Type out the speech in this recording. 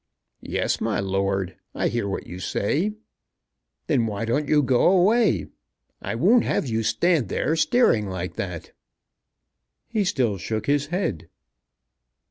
"Yes, my lord; I hear what you say." "Then why don't you go away? I won't have you stand there staring like that." He still shook his head.